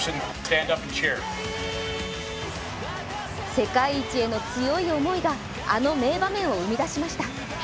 世界一への強い思いがあの名場面を生み出しました。